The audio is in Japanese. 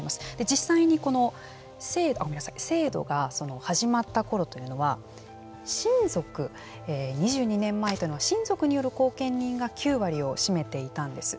実際に制度が始まったころというのは親族、２２年前というのは親族による後見人が９割を占めていたんです。